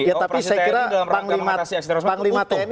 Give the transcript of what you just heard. operasi tni dalam rangka mengatasi aset terorisme itu putuh